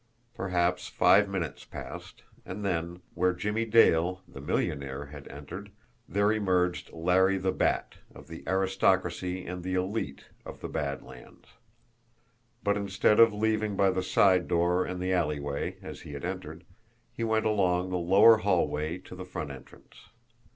Perhaps five minutes passed and then, where Jimmie Dale, the millionaire, had entered, there emerged Larry the Bat, of the aristocracy and the elite of the Bad Lands. But instead of leaving by the side door and the alleyway, as he had entered, he went along the lower hallway to the front entrance.